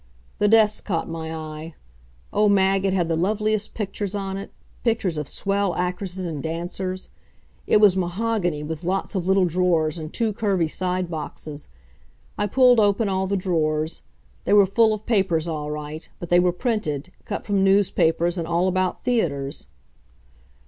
The desk caught my eye. Oh, Mag, it had the loveliest pictures on it pictures of swell actresses and dancers. It was mahogany, with lots of little drawers and two curvy side boxes. I pulled open all the drawers. They were full of papers all right, but they were printed, cut from newspapers, and all about theaters.